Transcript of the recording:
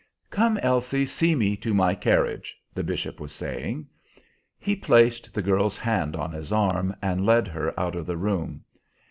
"Come, Elsie, see me to my carriage," the bishop was saying. He placed the girl's hand on his arm and led her out of the room.